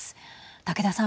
竹田さん。